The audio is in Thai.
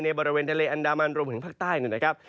บริเวณทะเลอันดามันรวมถึงภาคใต้นะครับ